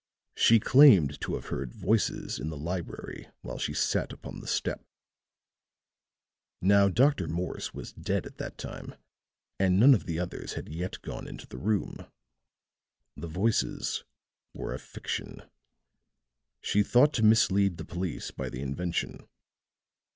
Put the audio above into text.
"She claimed to have heard voices in the library while she sat upon the step. Now, Dr. Morse was dead at that time and none of the others had yet gone into the room. "The voices were a fiction. She thought to mislead the police by the invention.